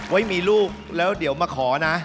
ไม่มีลูกแล้วเดี๋ยวมาขอนะ